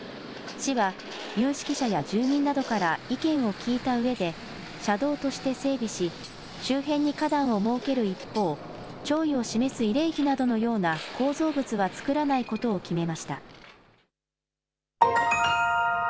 市は有識者や住民などから意見を聞いたうえで車道として整備し周辺に花壇を設ける一方、弔意を示す慰霊碑などのような構造物は作らないことを決めました。